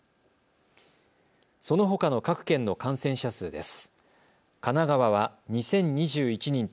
そのほかの各県の感染者数です。